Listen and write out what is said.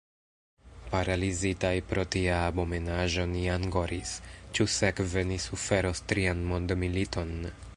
Paralizitaj pro tia abomenaĵo ni angoris: ĉu sekve ni suferos trian mondmiliton?